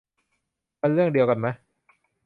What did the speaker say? มันเรื่องเดียวกันมะ